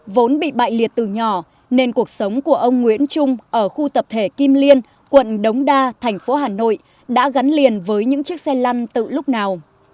vốn bị bại liệt từ nhỏ nên cuộc sống của ông nguyễn trung ở khu tập thể kim liên quận đống đa thành phố hà nội đã gắn liền với những chiếc xe lăn tự lúc nào